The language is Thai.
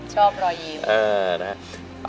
ชอบรอยยิ้ม